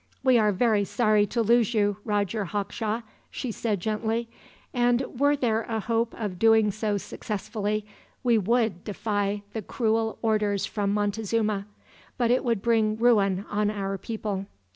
"We are very sorry to lose you, Roger Hawkshaw," she said, gently; "and were there a hope of doing so successfully, we would defy the cruel orders from Montezuma. But it would bring ruin on our people."